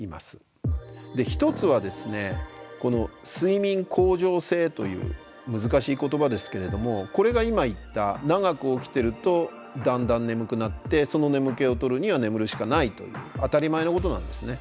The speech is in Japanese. １つは睡眠恒常性という難しい言葉ですけれどもこれが今言った長く起きてるとだんだん眠くなってその眠気をとるには眠るしかないという当たり前のことなんですね。